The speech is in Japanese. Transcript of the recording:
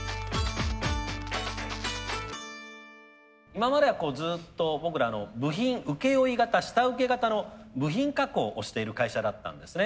今までずっと僕ら部品請負型下請型の部品加工をしている会社だったんですね。